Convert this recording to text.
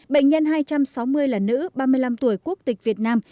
bệnh nhân hai trăm sáu mươi là nữ ba mươi năm tuổi quốc tịch việt nam